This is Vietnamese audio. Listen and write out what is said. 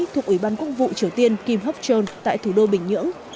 thuộc ủy ban quốc vụ triều tiên kim học trơn tại thủ đô bình nhưỡng